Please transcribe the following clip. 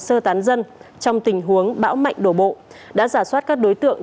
sơ tán dân trong tình huống bão mạnh đổ bộ đã giả soát các đối tượng